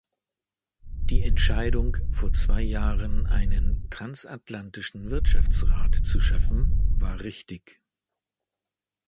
Die Entscheidung, vor zwei Jahren einen Transatlantischen Wirtschaftsrat zu schaffen, war richtig.